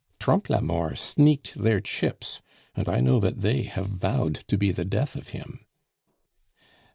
"Trompe la Mort sneaked their chips, and I know that they have vowed to be the death of him."